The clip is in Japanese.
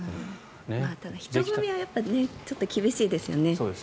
ただ、人混みはちょっと厳しいですよね。